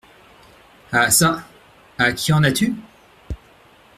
Ah ça ! à qui en as-tu ?